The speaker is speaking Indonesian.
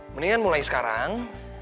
mendingan mulai sekarang